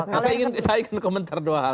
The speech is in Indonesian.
karena saya ingin komentar dua hal